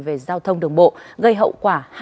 về giao thông đường bộ gây hậu quả